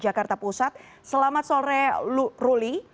jakarta pusat selamat sore ruli